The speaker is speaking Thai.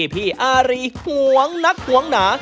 พี่อารีหวงนะั่งหวงด่า